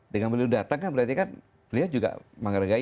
dengan beliau datang kan berarti kan beliau juga menghargai